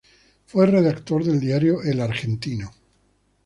Fue redactor del diario "El Argentino".